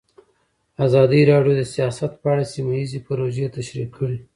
ازادي راډیو د سیاست په اړه سیمه ییزې پروژې تشریح کړې.